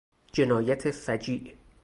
جنایت فجیع